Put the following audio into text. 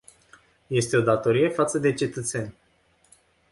Este o datorie față de cetățeni.